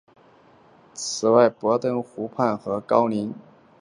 此外博登湖湖畔和高莱茵河河谷也比较温暖。